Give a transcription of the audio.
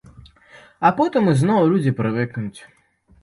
А потым ізноў людзі прывыкнуць.